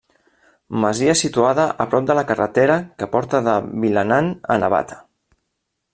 Masia situada a prop de la carretera que porta de Vilanant a Navata.